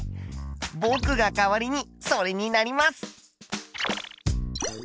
ぼくが代わりにそれになります！